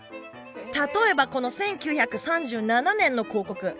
例えばこの１９３７年の広告。